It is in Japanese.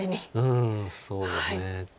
うんそうですね。